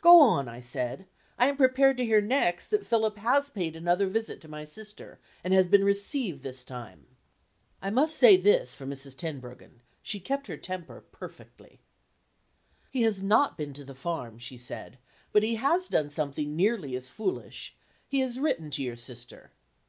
"Go on," I said; "I am prepared to hear next that Philip has paid another visit to my sister, and has been received this time." I must say this for Mrs. Tenbruggen: she kept her temper perfectly. "He has not been to the farm," she said, "but he has done something nearly as foolish. He has written to your sister."